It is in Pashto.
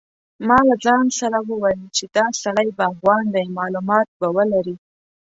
ما له ځان سره وویل چې دا سړی باغوان دی معلومات به ولري.